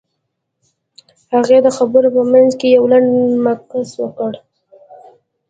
هغې د خبرو په منځ کې يو لنډ مکث وکړ.